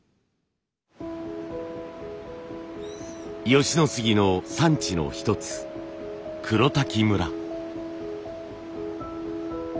吉野杉の産地の一つ黒滝村。